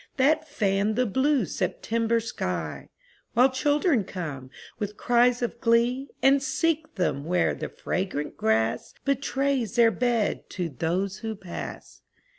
That fan the blue September sky. While children come, with cries of glee, And seek them where the fragrant grass Betrays their bed to those who pass.